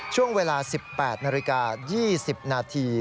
ช่วงเวลา๑๘นาฬิกา๒๐นาที